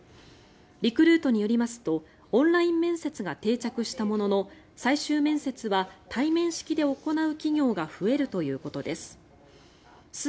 リクルートによりますとオンライン面接が定着したものの最終面接は対面式で行う企業が増えるということです。